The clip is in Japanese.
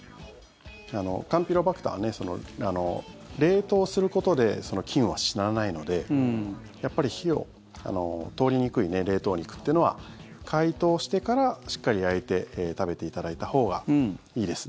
カンピロバクターは冷凍することで菌は死なないのでやっぱり火の通りにくい冷凍肉というのは解凍してから、しっかり焼いて食べていただいたほうがいいです。